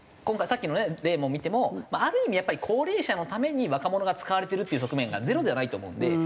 今回さっきのね例を見てもある意味やっぱり高齢者のために若者が使われてるっていう側面がゼロではないと思うんで。